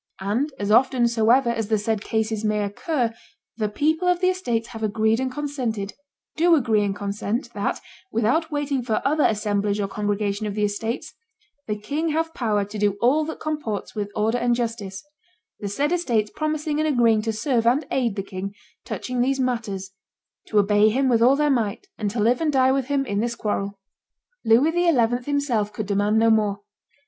. And as often soever as the said cases may occur, the people of the estates have agreed and consented, do agree and consent, that, without waiting for other assemblage or congregation of the estates, the king have power to do all that comports with order and justice; the said estates promising and agreeing to serve and aid the king touching these matters, to obey him with all their might, and to live and die with him in this quarrel." Louis XI. himself could demand no more.